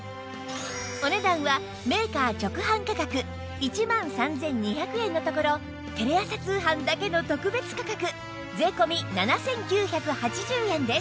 お値段はメーカー直販価格１万３２００円のところテレ朝通販だけの特別価格税込７９８０円です